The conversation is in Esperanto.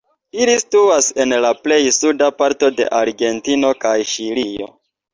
Ili situas en la plej suda parto de Argentino kaj Ĉilio.